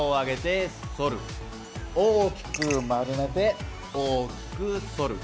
大きく丸めて大きく反る。